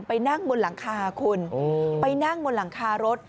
ไปนั่งมนตร์หลังคาเขนไปนั่งมนตร์หลังคารถ